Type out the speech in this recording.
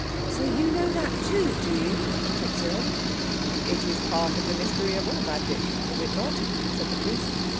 "So you know that too, do you?" said Cyril. "It is part of the mystery of all magic, is it not?" said the priest.